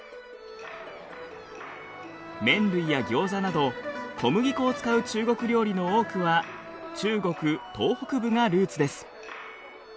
麺類やギョーザなど小麦粉を使う中国料理の多くは中国東北部がルーツです。